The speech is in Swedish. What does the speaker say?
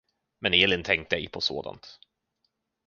Men Elin tänkte ej på sådant.